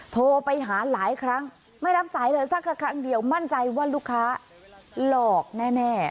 โทรไปหาหลายครั้งไม่รับสายเลยสักแค่ครั้งเดียวมั่นใจว่าลูกค้าหลอกแน่